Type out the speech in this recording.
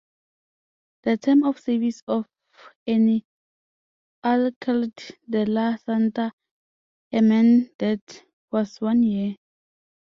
The term of service of an "Alcalde de la Santa Hermandad" was one year.